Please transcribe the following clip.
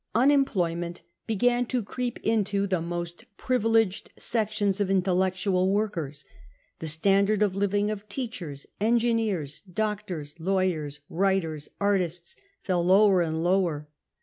Unemployment began to creep into the most ^privileged sections of intellectual workers. The f standard of living of teachers, engineers, doctors, lawyers, writers, artists, fell lower and lower.